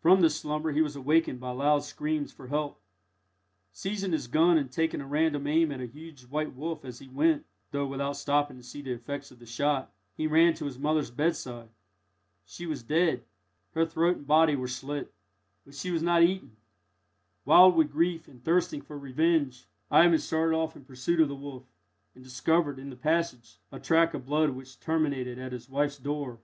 From this slumber he was awakened by loud screams for help. Seizing his gun, and taking a random aim at a huge white wolf as he went (though without stopping to see the effects of the shot), he ran to his mother's bedside. She was dead. Her throat and body were slit; but she was not eaten. Wild with grief and thirsting for revenge, Ivan started off in pursuit of the wolf, and discovered, in the passage, a track of blood which terminated at his wife's door.